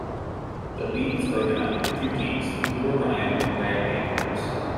The league was broken up into two teams, the Blue Orion and Red Antares.